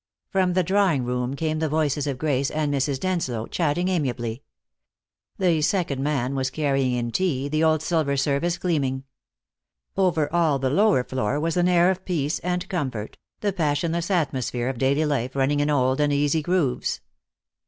From the drawing room came the voices of Grace and Mrs. Denslow, chatting amiably. The second man was carrying in tea, the old silver service gleaming. Over all the lower floor was an air of peace and comfort, the passionless atmosphere of daily life running in old and easy grooves.